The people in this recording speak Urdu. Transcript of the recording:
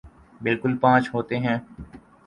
بالکل پانچ ہوتے ہیں